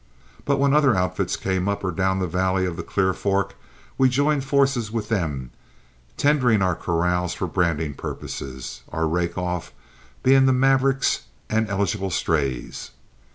But when other outfits came up or down the valley of the Clear Fork we joined forces with them, tendering our corrals for branding purposes, our rake off being the mavericks and eligible strays.